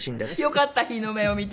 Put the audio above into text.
よかった日の目を見て。